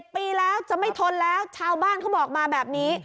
ปีแล้วจะไม่ทนแล้วชาวบ้านเขาบอกมาแบบนี้